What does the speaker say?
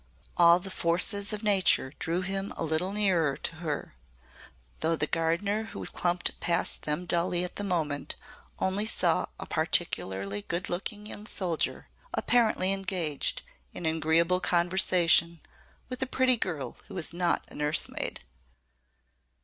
All the forces of nature drew him a little nearer to her though the gardener who clumped past them dully at the moment only saw a particularly good looking young soldier, apparently engaged in agreeable conversation with a pretty girl who was not a nursemaid.